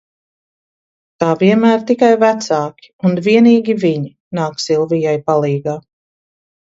Kā vienmēr tikai vecāki, un vienīgi viņi, nāk Silvijai palīgā.